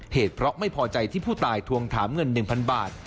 เหตุเพราะไม่พอใจที่ผู้ตายทวงถามเงิน๑๐๐บาท